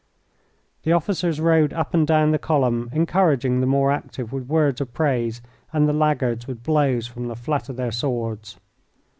The officers rode up and down the column encouraging the more active with words of praise, and the laggards with blows from the flat of their swords.